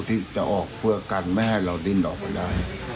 ที่จะออกเพื่อกันไม่ให้เราดิ้นออกมาได้